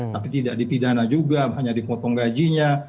tapi tidak dipidana juga hanya dipotong gajinya